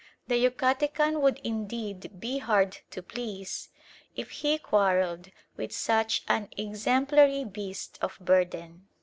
The Yucatecan would indeed be hard to please if he quarrelled with such an exemplary beast of burden.